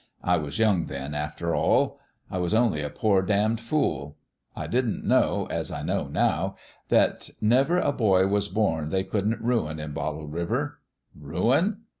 I was young, then, after all. I was only a poor damned fool. I didn't know, as I know now, that never a boy was born they wouldn't ruin on Bottle River. Ruin?